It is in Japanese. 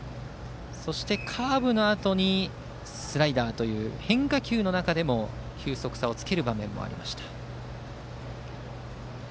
そしてカーブのあとにスライダーという変化球の中でも球速差をつける場面もありました。